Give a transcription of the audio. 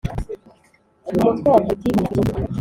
umutwe wa politiki uhanishwa iki